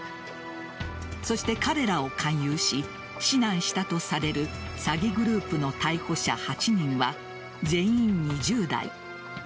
そして、彼らを勧誘し指南したとされる詐欺グループの逮捕者８人は全員２０代。